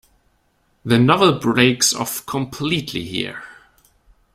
The novel breaks off completely here.